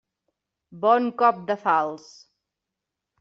Bon cop de falç!